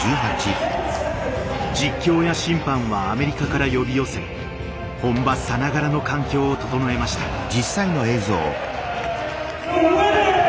実況や審判はアメリカから呼び寄せ本場さながらの環境を整えました。